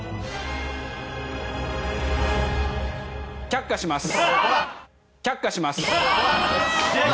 却下します